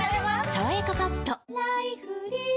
「さわやかパッド」菊池）